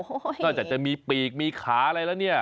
โอ้โหน่าจะจะมีปีกมีขาอะไรแล้วเนี่ย